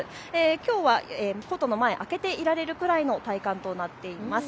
きょうはコートの前、開けていられるくらいの体感となっています。